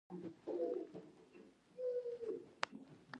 لېږدول یې خورا ستونزمن و